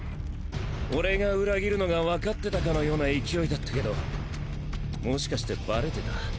俺が裏切るのがわかってたかのような勢いだったけどもしかしてバレてた？